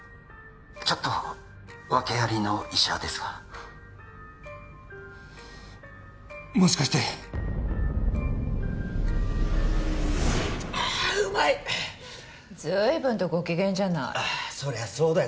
ちょっと訳ありの医者ですがもしかしてあーうまい随分とご機嫌じゃないそりゃそうだよ